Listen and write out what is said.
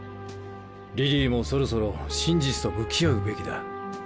リリーもそろそろ真実と向き合うべきだ。